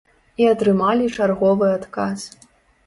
І атрымалі чарговы адказ.